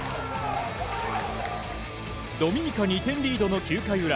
ドミニカ２点リードの９回裏。